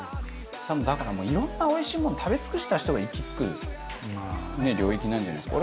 だからもういろんなおいしいもの食べ尽くした人が行き着くね領域なんじゃないですか？